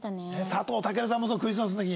佐藤健さんもクリスマスの時。